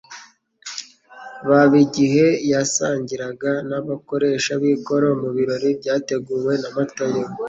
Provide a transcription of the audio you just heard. baba igihe yasangiraga n'abakoresha b'ikoro mu birori byateguwe na Matayo,